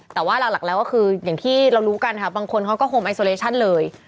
แต่ว่าหลักแล้วก็คืออย่างที่เรารู้กันค่ะบางคนเขาก็โฮมไอโซเลชั่นเลย